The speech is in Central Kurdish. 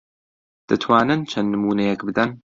دەتوانن چەند نموونەیەک بدەن؟